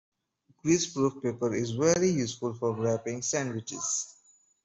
Greaseproof paper is very useful for wrapping sandwiches